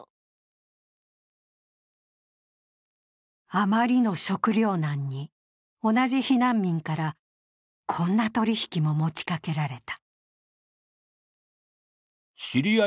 あまりの食糧難に、同じ避難民からこんな取り引きも持ちかけられた。